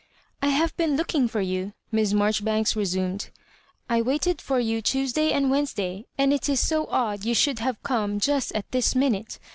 ^ I have been looking for you," Miss Marjori banks resumed ;" I waited in for you Tuesday and Wednesday, and it is so odd you should have come just at this minute.